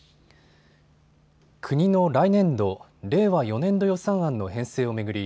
国の来年度・令和４年度予算案の編成を巡り